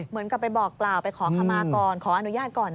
เหมือนกับไปบอกกล่าวไปขอขมาก่อนขออนุญาตก่อน